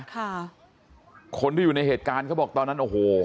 ค่ะคนที่อยู่ในเหตุการณ์เขาบอกตอนนั้นโอ้โห